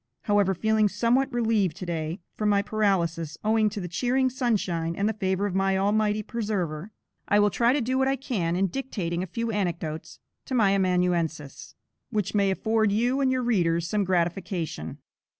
However, feeling somewhat relieved to day, from my paralysis, owing to the cheering sunshine and the favor of my Almighty Preserver, I will try to do what I can, in dictating a few anecdotes to my amanuensis, which may afford you and your readers some gratification.